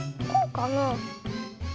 こうかな。